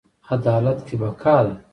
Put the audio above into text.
عدالت کې بقا ده